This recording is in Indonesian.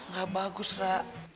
gak bagus ra